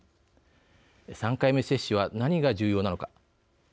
３回目接種は何が重要なのか。